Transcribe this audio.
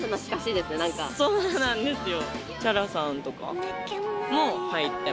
そうなんですよ。